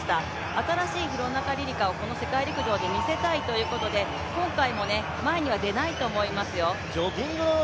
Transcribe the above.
新しい廣中璃梨佳をこの世界陸上で見せたいということで今回も前には出ないと思いますよ。